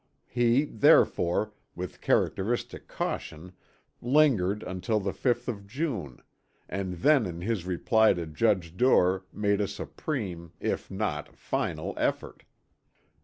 He therefore, with characteristic caution lingered until the 5th of June, and then in his reply to Judge Duer made a supreme, if not final effort.